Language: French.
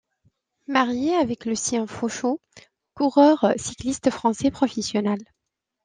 Mariée avec Lucien Faucheux, coureur cycliste français professionnel.